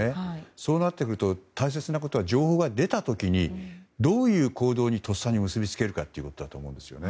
そうなってくると大切なことは情報が出た時にどういう行動にとっさに結び付けるかだと思うんですね。